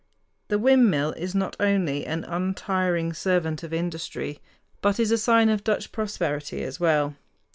The windmill is not only an untiring servant of industry, but is a sign of Dutch prosperity as well.